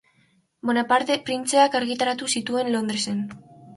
Bonaparte printzeak argitaratu zituen Londresen.